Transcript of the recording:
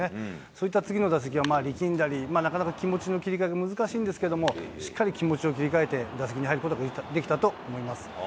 そういった次の打席は力んだり、なかなか気持ちの切り替えも難しいんですけれども、しっかり気持ちを切り替えて、打席に入ることができたと思います。